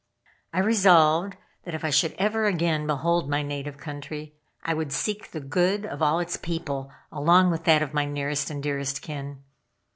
I resolved that if I should ever again behold my native country, I would seek the good of all its people along with that of my nearest and dearest of kin.